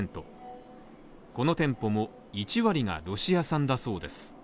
この店舗も１割がロシア産だそうです。